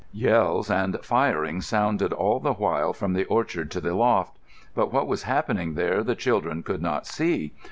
Yells and firing sounded all the while from the orchard to the loft. But what was happening there the children could not see.